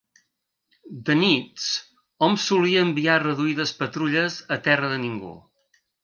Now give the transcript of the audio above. De nits hom solia enviar reduïdes patrulles a terra de ningú